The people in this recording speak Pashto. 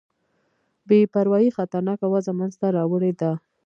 بې پروايي خطرناکه وضع منځته راوړې ده.